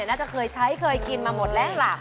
น่าจะเคยใช้เคยกินมาหมดแล้วล่ะ